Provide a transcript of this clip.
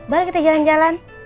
baru kita jalan jalan